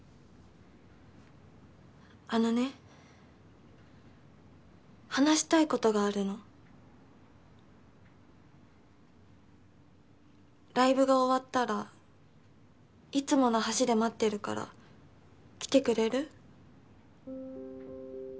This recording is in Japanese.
あのね話したいことがあるのライブが終わったらいつもの橋で待ってるから来てくれる？